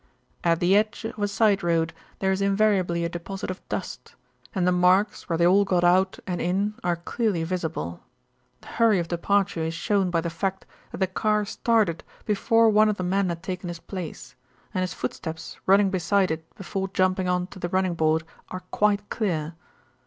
"At the edge of a side road there is invariably a deposit of dust, and the marks where they all got out and in are clearly visible. The hurry of departure is shown by the fact that the car started before one of the men had taken his place, and his footsteps running beside it before jumping on to the running board are quite clear.